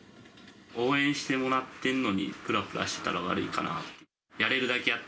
応援してもらっているのに、ぷらぷらしてたら悪いかなって。